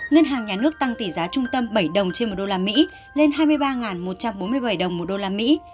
ngân hàng nhà nước tăng tỷ giá trung tâm bảy đồng trên một đô la mỹ lên hai mươi ba một trăm bốn mươi bảy đồng một đô la mỹ